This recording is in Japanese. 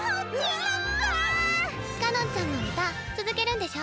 かのんちゃんも歌、続けるんでしょ？